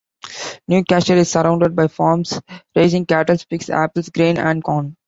Newcastle is surrounded by farms raising cattle, pigs, apples, grain, and corn.